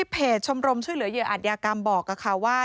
ในเพจชมรมช่วยเหลือเหยียวอัธยากรรมบอกว่า